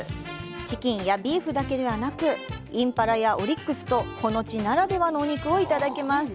チキンやビーフだけでなくインパラやオリックスとこの地ならではのお肉をいただけます。